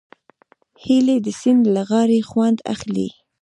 هیلۍ د سیند له غاړې خوند اخلي